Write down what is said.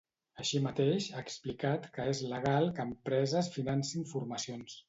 Així mateix, ha explicat que és legal que empreses financin formacions.